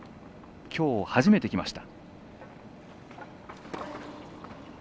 きょう、初めてきました。